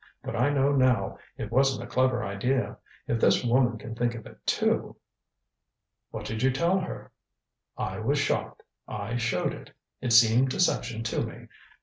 "But I know now it wasn't a clever idea, if this woman can think of it, too." "What did you tell her?" "I was shocked. I showed it. It seemed deception to me.